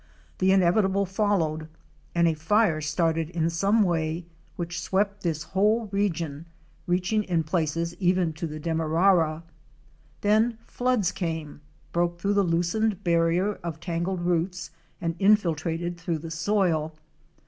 The inevitable fol lowed and a fire started in some way which swept this whole THE LIFE OF THE ABARY SAVANNAS. 359 region, reaching in places even to the Demerara. Then floods came, broke through the loosened barrier of tangled roots, and infiltrated through the soil.